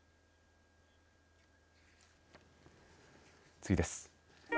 次です。